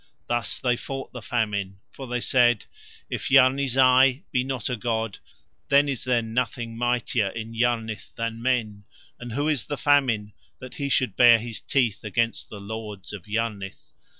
Thus they fought the Famine, for they said: "If Yarni Zai be not a god, then is there nothing mightier in Yarnith than men, and who is the Famine that he should bare his teeth against the lords of Yarnith?"